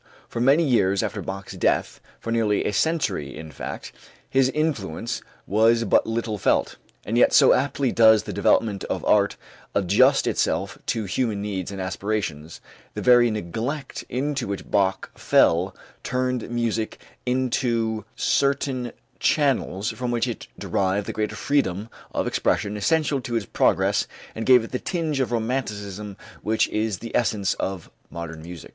For many years after Bach's death, for nearly a century in fact, his influence was but little felt. And yet so aptly does the development of art adjust itself to human needs and aspirations, the very neglect into which Bach fell turned music into certain channels from which it derived the greater freedom of expression essential to its progress and gave it the tinge of romanticism which is the essence of modern music.